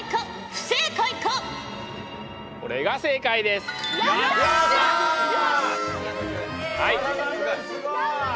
すごい。